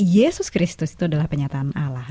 yesus kristus itu adalah penyataan allah